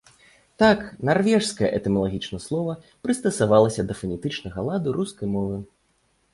Так, нарвежскае этымалагічна слова прыстасавалася да фанетычнага ладу рускай мовы.